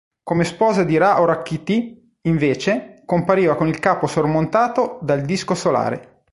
Come sposa di Ra-Horakhti, invece, compariva con il capo sormontato dal disco solare.